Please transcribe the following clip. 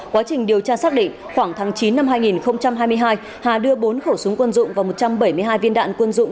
quá trình điều tra xác định khoảng tháng chín năm hai nghìn hai mươi hai hà đưa bốn khẩu súng quân dụng và một trăm bảy mươi hai viên đạn quân dụng